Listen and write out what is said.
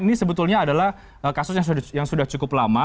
ini sebetulnya adalah kasus yang sudah cukup lama